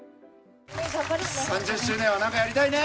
３０周年は何かやりたいね。